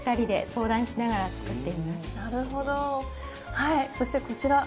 はいそしてこちら。